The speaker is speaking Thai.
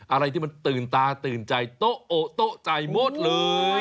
อะไรที่มันตื่นตาตื่นใจโต๊ะโอ๊โต๊ะใจหมดเลย